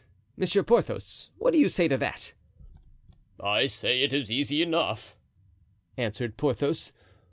Monsieur Porthos, what do you say to that?" "I say it is easy enough," answered Porthos.